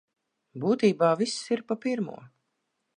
Būtībā viss ir pa pirmo.